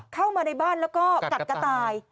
เข้ามาในบ้านแล้วก็กัดกระต่าย